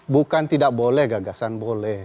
bukan tidak boleh gagasan boleh